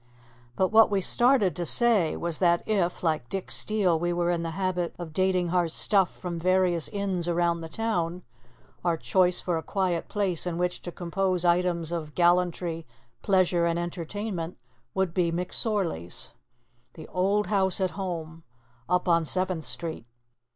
] But what we started to say was that if, like Dick Steele, we were in the habit of dating our stuff from various inns around the town, our choice for a quiet place in which to compose items of "gallantry, pleasure, and entertainment" would be McSorley's "The Old House at Home" up on Seventh Street.